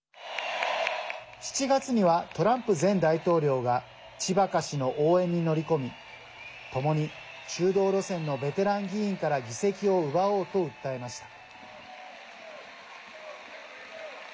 ７月には、トランプ前大統領がチバカ氏の応援に乗り込みともに中道路線のベテラン議員から議席を奪おうと訴えました。